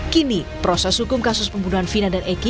kini proses hukum kasus pembunuhan vina dan eki